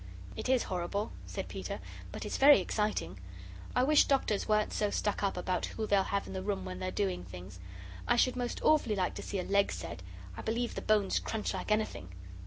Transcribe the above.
"It IS horrible," said Peter, "but it's very exciting. I wish Doctors weren't so stuck up about who they'll have in the room when they're doing things. I should most awfully like to see a leg set. I believe the bones crunch like anything."